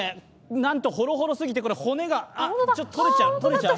なんとほろほろすぎて骨が、取れちゃう取れちゃう。